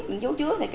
mình dú chuối